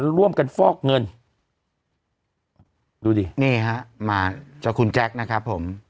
ร่วมกันฟอกเงินดูดินี่ฮะมาจากคุณแจ๊คนะครับผม